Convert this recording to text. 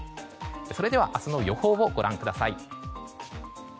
それでは明日の予報をご覧ください。